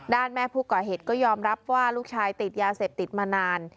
แม่ผู้ก่อเหตุก็ยอมรับว่าลูกชายติดยาเสพติดมานาน